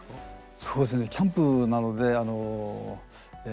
そうですねキャンプなのでえ